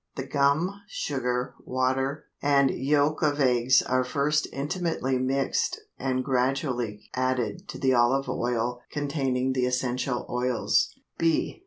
The gum, sugar, water, and yolk of eggs are first intimately mixed and gradually added to the olive oil containing the essential oils. B.